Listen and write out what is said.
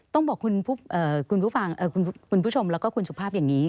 ต้องบอกคุณผู้ชมแล้วก็คุณสุภาพอย่างนี้